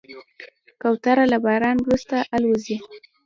کوتره له باران وروسته الوزي.